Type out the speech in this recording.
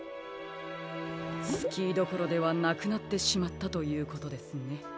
スキーどころではなくなってしまったということですね。